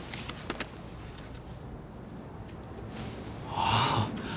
ああ。